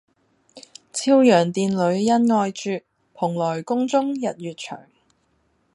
昭陽殿里恩愛絕，蓬萊宮中日月長。